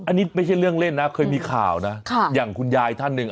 อันนี้ไม่ใช่เรื่องเล่นนะเคยมีข่าวนะค่ะอย่างคุณยายท่านหนึ่ง